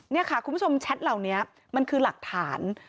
นี่ค่ะคุณผู้ชมแชทเหล่านี้มันคือหลักฐาน